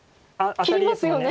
アタリですよね。